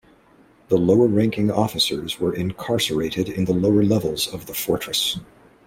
The lower-ranking officers were incarcerated in the lower levels of the fortress.